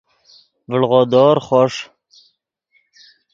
ڤڑغودور خوݰ